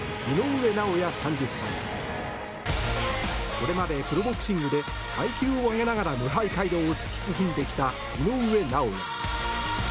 これまでプロボクシングで階級を上げながら無敗街道を突き進んできた井上尚弥。